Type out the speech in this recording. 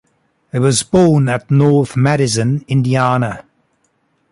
He was born at North Madison, Indiana.